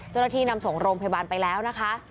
เจ้าหน้าที่นำส่งโรงพยาบาลไปแล้วนะคะ